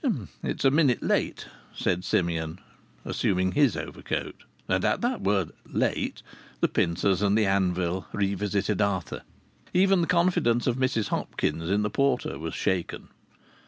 "It's a minute late," said Simeon, assuming his overcoat. And at that word "late," the pincers and the anvil revisited Arthur. Even the confidence of Mrs Hopkins in the porter was shaken.